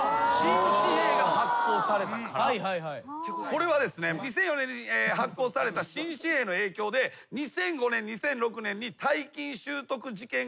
これはですね２００４年に発行された新紙幣の影響で２００５年２００６年に。